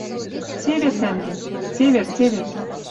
Цевер, тӓнгем...» — «Цевер, цевер